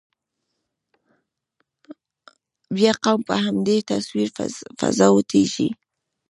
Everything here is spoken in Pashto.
بیا قوم په همدې تصویر قضاوتېږي.